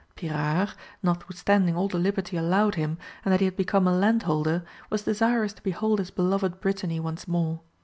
Pyrard, notwithstanding all the liberty allowed him, and that he had become a landholder, was desirous to behold his beloved Brittany once more.